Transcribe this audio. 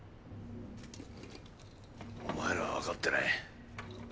お前らはわかってない。